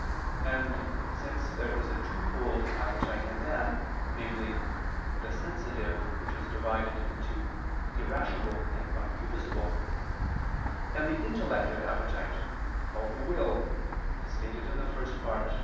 And, since there is a twofold appetite in man, namely, the sensitive which is divided into irascible and concupiscible, and the intellective appetite, called the will, as stated in the First Part (Q.